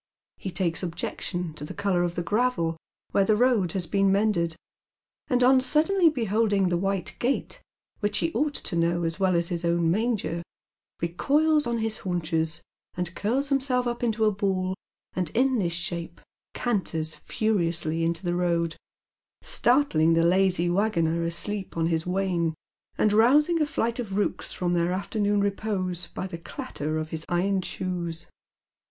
He takes objection to the colour of the gravel where the road has been mended ; and on suddenly beholding the white gate, which he ought to know as well as his own manger, recoils on his haunches, and curls liimself up into a ball, and in this shape canters furiously into the road, startling the i86 Dead MerCs Shoes. lazy waggoner asleep upon his wain, and rousing a flight of rooks from theu afternoon repose by the clatter of his iron shoes.